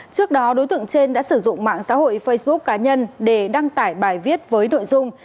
trước đó đối tượng trên đã sử dụng mạng xã hội facebook cá nhân để đăng tải bài viết với nội dung